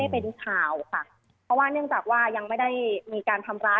เป็นข่าวค่ะเพราะว่าเนื่องจากว่ายังไม่ได้มีการทำร้าย